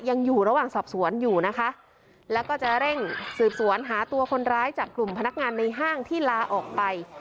ยังอยู่ระหว่างสอบสวนอยู่นะคะแล้วก็จะเร่งสืบสวนหาตัวคนร้ายจากกลุ่มพนักงานในห้างที่ลาออกไป